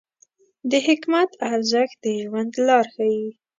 د حکمت ارزښت د ژوند لار ښیي.